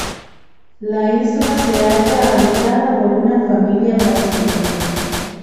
La isla se halla habitada por una familia brasileña.